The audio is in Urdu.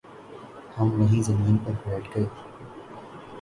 ہم وہیں زمین پر بیٹھ گ